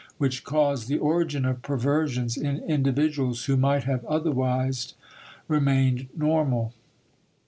which cause the origin of perversions in individuals who might have otherwise remained normal.